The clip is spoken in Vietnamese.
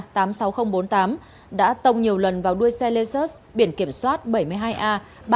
tài xế bốn mươi tám đã tông nhiều lần vào đuôi xe lisa s biển kiểm soát bảy mươi hai a ba mươi bốn nghìn ba trăm ba mươi năm